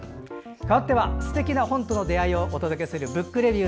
かわってはすてきな本との出会いをお届けする「ブックレビュー」。